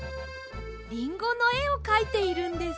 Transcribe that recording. リンゴのえをかいているんです。